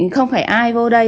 không phải ai vô đây